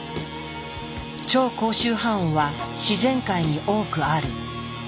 超高周波音は自然界に多くある。